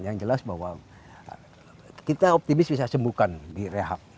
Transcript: yang jelas bahwa kita optimis bisa sembuhkan di rehab